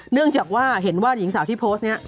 เนื่องจากว่าเห็นว่าหญิงสาวที่โพสต์นี้